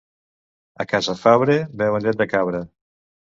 A Casafabre, beuen llet de cabra.